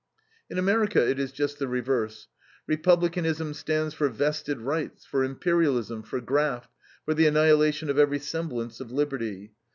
In America it is just the reverse. Republicanism stands for vested rights, for imperialism, for graft, for the annihilation of every semblance of liberty.